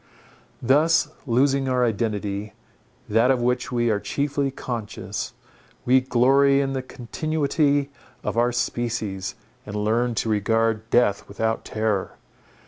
Thus, losing our identity, that of which we are chiefly conscious, we glory in the continuity of our species, and learn to regard death without terror.